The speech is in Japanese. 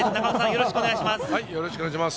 よろしくお願いします。